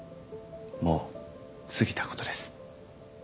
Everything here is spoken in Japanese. もう過ぎたことです